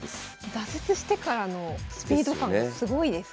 挫折してからのスピード感がすごいですね。